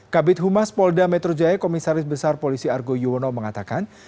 kabit humas polda metro jaya komisaris besar polisi argo yuwono mengatakan